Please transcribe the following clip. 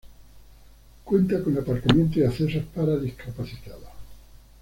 Cuenta con aparcamiento y accesos para discapacitados.